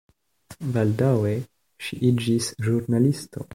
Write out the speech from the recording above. Baldaŭe ŝi iĝis ĵurnalisto.